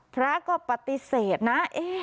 พระก็ปฏิเสธนะ